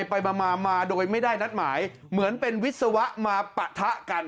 ไปมามาโดยไม่ได้นัดหมายเหมือนเป็นวิศวะมาปะทะกัน